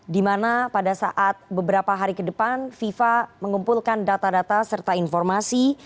di mana pada saat beberapa hari ke depan fifa mengumpulkan data data serta informasi